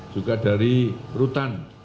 juga dari rutan